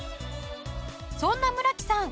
そんな村木さん